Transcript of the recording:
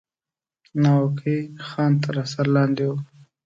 ناوګی خان تر اثر لاندې وو.